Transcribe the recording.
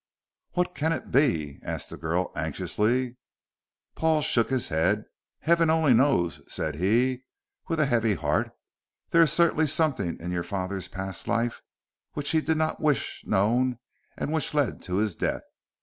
"What can it be?" asked the girl anxiously. Paul shook his head. "Heaven only knows," said he, with a heavy heart. "There is certainly something in your father's past life which he did not wish known and which led to his death.